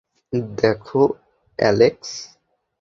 দেখো, অ্যালেক্স!